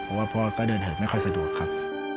เพราะว่าพ่อก็เดินหายไม่ค่อยสะดวกครับ